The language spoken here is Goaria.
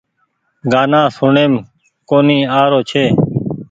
گآنا سوڻيم ڪونيٚ آ رو ڇي